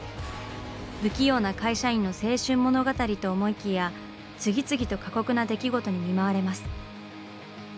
不器用な会社員の青春物語と思いきや次々と過酷な出来事に見舞われます。